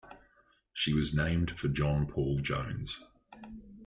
She was named for John Paul Jones.